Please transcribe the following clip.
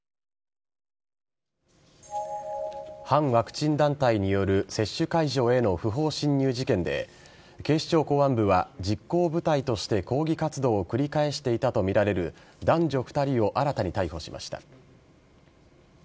反ワクチン団体による接種会場への不法侵入事件で警視庁公安部は実行部隊として抗議活動を繰り返していたとみられる男女２人を新たに逮捕しました。